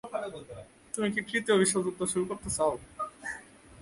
তুমি কি তৃতীয় বিশ্বযুদ্ধ শুরু করতে চাও?